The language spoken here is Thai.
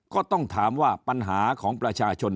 ก็ต้องถามว่าปัญหาของประชาชน